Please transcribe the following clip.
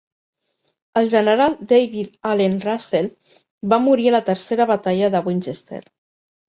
El general David Allen Russell va morir a la Tercera Batalla de Winchester.